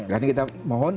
dan kita mohon